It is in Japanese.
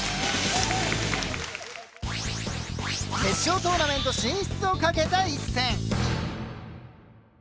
決勝トーナメント進出をかけた一戦。